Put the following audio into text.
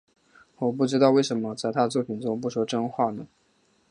我不知道为什么在他作品中不说真话呢？